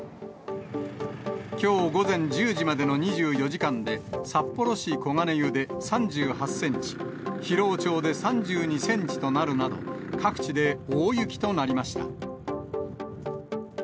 きょう午前１０時までの２４時間で、札幌市小金湯で３８センチ、広尾町で３２センチとなるなど、各地で大雪となりました。